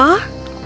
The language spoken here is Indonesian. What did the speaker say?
lampu itu berlalu